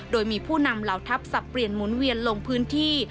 โดยมีผู้นำเหล่าทัพสับเปลี่ยนหมุนเวียนลงพื้นที่